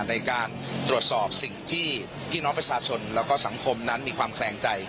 ในการตรวจสอบสิ่งที่พี่น้องประชาชนแล้วก็สังคมนั้นมีความแคลงใจ